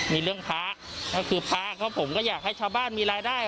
มีเรื่องพระก็คือพระก็ผมก็อยากให้ชาวบ้านมีรายได้